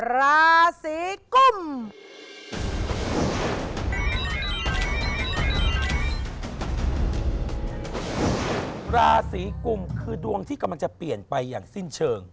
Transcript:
ราศีกุมราศีกุมคือดวงที่กำลังจะเปลี่ยนไปอย่างสิ้นเชิง